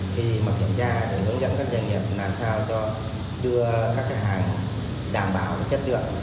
khi mà kiểm tra để hướng dẫn các doanh nghiệp làm sao cho đưa các cái hàng đảm bảo chất lượng